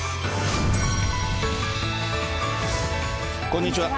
こんにちは。